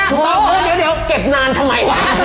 ถูกต้องเฮ้อเดี๋ยวเก็บนานทำไมค่ะ